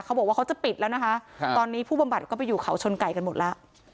เขาบอกว่าเขาจะปิดแล้วนะคะตอนนี้ผู้บำบัดก็ไปอยู่เขาชนไก่กันหมดแล้ว